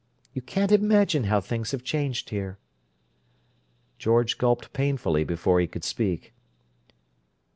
You can't imagine how things have changed here!" George gulped painfully before he could speak.